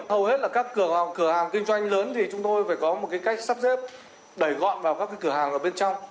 hầu hết là các cửa hàng kinh doanh lớn thì chúng tôi phải có một cách sắp xếp đẩy gọn vào các cửa hàng ở bên trong